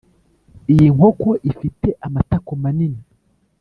iyi nkoko ifite amatako manini